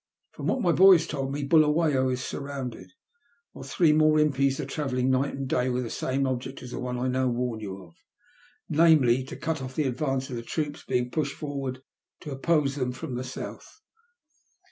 From what my boys told me, Buluwayo is surrounded, while three more impis are travelling night and day with the same object as the one I now warn you of, namely, to cut off the advance of the troops being pushed forward to oppose them from the south."